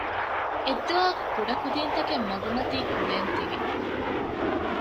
އެއްދުވަހަކު ކުޑަކުދީންތަކެއް މަގުމަތީ ކުޅޭން ތިވި